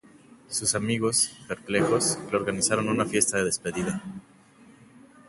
Sus amigos, perplejos, le organizaron una fiesta de despedida.